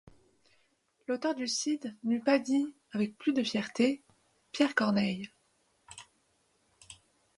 L’auteur du Cid n’eût pas dit avec plus de fierté: Pierre Corneille.